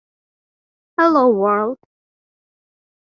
Hello world.